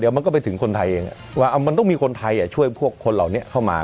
มันก็ไปถึงคนไทยเองว่ามันต้องมีคนไทยช่วยพวกคนเหล่านี้เข้ามา